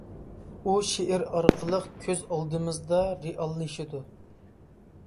ئۇ شېئىر ئارقىلىق كۆز ئالدىمىزدا رېئاللىشىدۇ.